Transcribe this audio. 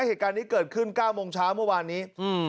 เหตุการณ์นี้เกิดขึ้น๙โมงเช้าเมื่อวานนี้